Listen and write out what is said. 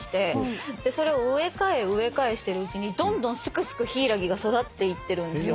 それを植え替え植え替えしてるうちにどんどんすくすくヒイラギが育っていってるんですよ。